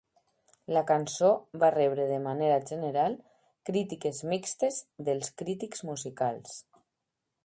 La cançó va rebre de manera general crítiques mixtes dels crítics musicals.